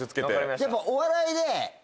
やっぱお笑いで。